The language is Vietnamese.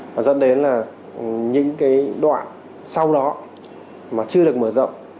và dẫn đến là những cái đoạn sau đó mà chưa được mở rộng